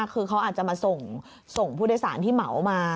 คือเขาอาจจะมาส่งผู้โดยสารที่เหมามา